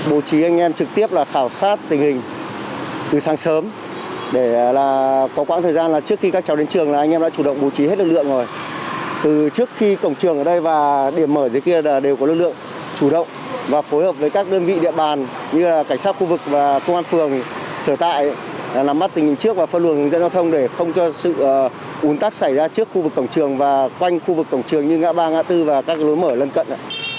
ún tắt xảy ra trước khu vực cổng trường và quanh khu vực cổng trường như ngã ba ngã bốn và các lối mở lân cận